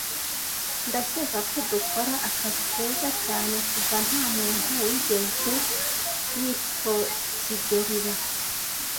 Ndakeka ko dukora akazi keza cyane kuva ntamuntu wigeze yitokigeliba.